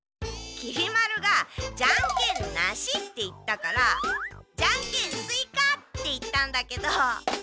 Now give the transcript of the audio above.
きり丸が「ジャンケンなし」って言ったから「じゃんけんすいか」って言ったんだけど。